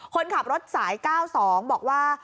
คนขับรถสาย๙๒บอกว่า